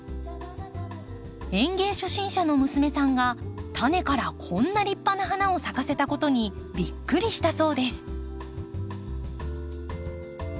園芸初心者の娘さんがタネからこんな立派な花を咲かせたことにびっくりしたそうです。